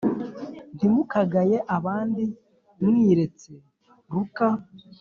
Ntimukagaye abandi mwiretse luka